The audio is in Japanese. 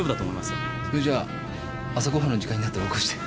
それじゃ朝ご飯の時間になったら起こして。